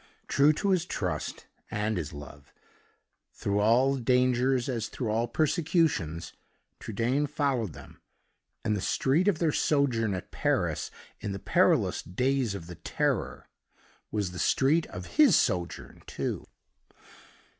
True to his trust and his love, through all dangers as through all persecutions, Trudaine followed them; and the street of their sojourn at Paris, in the perilous days of the Terror, was the street of his sojourn too.